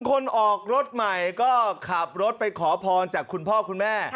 คนออกรถใหม่ก็ขับรถไปขอพรจากคุณพ่อคุณแม่